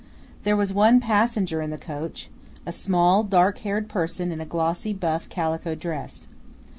There was one passenger in the coach, a small dark haired person in a glossy buff calico dress.